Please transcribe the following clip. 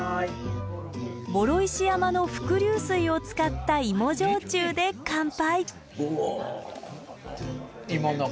双石山の伏流水を使った芋焼酎で乾杯。